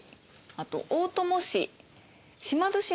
あと大友氏